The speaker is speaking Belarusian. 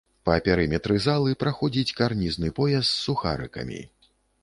Па перыметры залы праходзіць карнізны пояс з сухарыкамі.